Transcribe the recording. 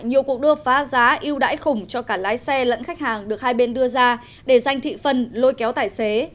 nhiều cuộc đua phá giá yêu đáy khủng cho cả lái xe lẫn khách hàng được hai bên đưa ra để giành thị phần lôi kéo tài xế